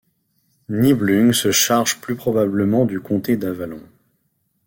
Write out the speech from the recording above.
Nibelung se charge plus probablement du comté d'Avallon.